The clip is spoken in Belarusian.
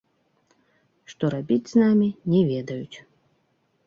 Што рабіць з намі, не ведаюць.